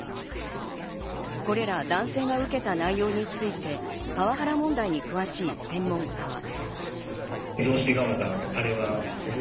これら男性が受けた内容についてパワハラ問題に詳しい専門家は。